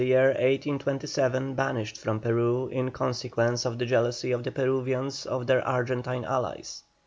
ALVARADO was in the year 1827 banished from Peru in consequence of the jealousy of the Peruvians of their Argentine allies.